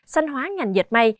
xanh hóa ngành dệt may